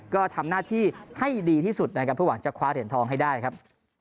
ก็ทำหน้าที่ให้ดีที่สุดนะครับเพื่อหวังจะคว้าเหรียญทองให้ได้ครับ